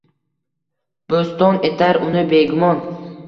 Bo’ston etar uni begumon.